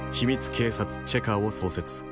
警察チェカーを創設。